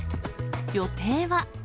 予定は。